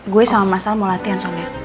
gue sama masal mau latihan soalnya